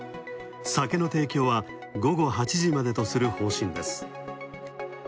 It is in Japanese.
酒の提供は午後８時までとする方針です。